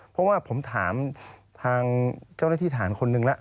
เพราะว่าผมถามทางเจ้าหน้าที่ฐานคนหนึ่งแล้ว